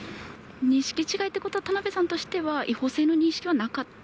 認識違いということは、田辺さんとしては違法性の認識はなかった？